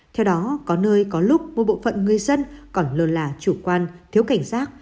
theo đó có nơi có lúc một bộ phận người dân còn lơ là chủ quan thiếu cảnh giác